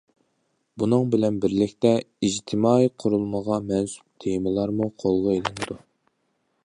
بۇنىڭ بىلەن بىرلىكتە، ئىجتىمائىي قۇرۇلمىغا مەنسۇپ تېمىلارمۇ قولغا ئېلىنىدۇ.